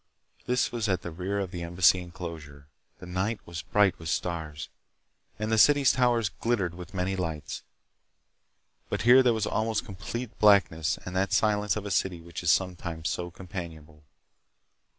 This was at the rear of the Embassy enclosure. The night was bright with stars, and the city's towers glittered with many lights. But here there was almost complete blackness and that silence of a city which is sometimes so companionable.